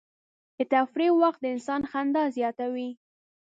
د تفریح وخت د انسان خندا زیاتوي.